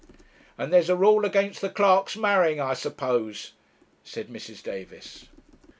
'And there's a rule against the clerks marrying, I suppose,' said Mrs. Davis.